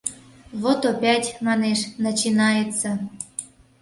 Вот опять, манеш, начинается...